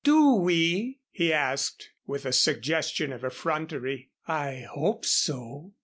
"Do we?" he asked with a suggestion of effrontery. "I hope so."